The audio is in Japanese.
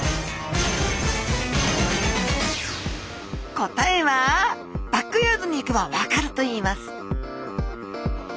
答えはバックヤードに行けば分かるといいます